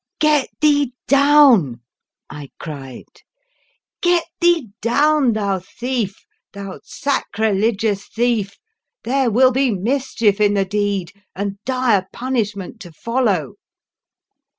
" Get thee down! " I cried. " Get thee down, thou thief, thou sacrileg ious thief, there will be mischief in the deed and dire punishment to follow."